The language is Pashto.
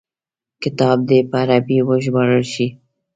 کتاب دي په عربي وژباړل شي.